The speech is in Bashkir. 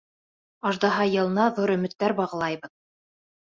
Аждаһа йылына ҙур өмөттәр бағлайбыҙ.